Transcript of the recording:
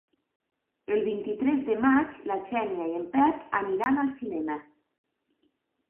El vint-i-tres de maig na Xènia i en Pep aniran al cinema.